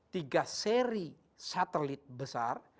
tiga seri satelit besar